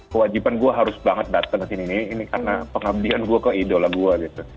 kewajiban gue harus banget dateng ke sini ini karena pengabdian gue ke idola gue